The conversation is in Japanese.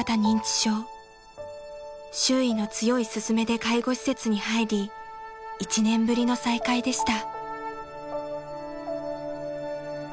［周囲の強い勧めで介護施設に入り１年ぶりの再会でした］